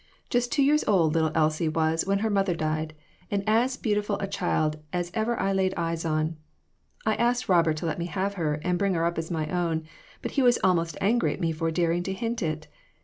Just two years old little Elsie was when her mother died, and as beautiful a child as ever I laid eyes on. I asked Robert to let me have her, and bring her up as my own, but he was almost angry at me for daring to hint it.